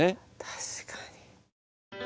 確かに。